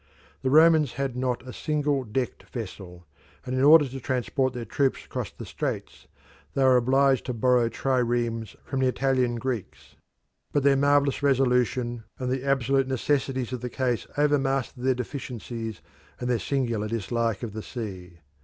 The Romans had not a single decked vessel, and in order to transport their troops across the straits they were obliged to borrow triremes from the Italian Greeks. But their marvellous resolution and the absolute necessities of the case overmastered their deficiencies and their singular dislike of the sea.